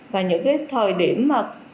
và những cái thời điểm mà